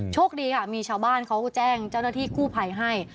โชคดีค่ะมีชาวบ้านเขาแจ้งเจ้าหน้าที่กู้ภัยให้